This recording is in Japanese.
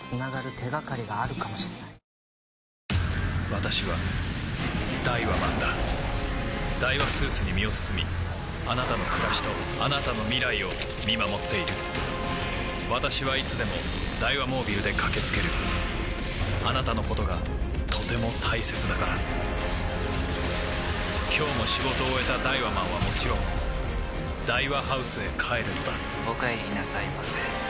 私はダイワマンだダイワスーツに身を包みあなたの暮らしとあなたの未来を見守っている私はいつでもダイワモービルで駆け付けるあなたのことがとても大切だから今日も仕事を終えたダイワマンはもちろんダイワハウスへ帰るのだお帰りなさいませ。